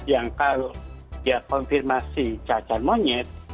yang kalau dia konfirmasi cacar monyet